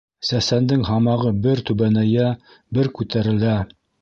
Сәсәндең һамағы бер түбәнәйә, бер күтәрелә.